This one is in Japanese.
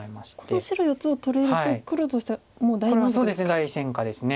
この白４つを取れると黒としてはもう大満足ですか。